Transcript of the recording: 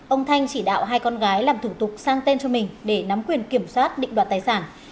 ông thanh chỉ đạo hai con gái làm thủ tục sang tên cho mình để nắm quyền kiểm soát định đoạt tài sản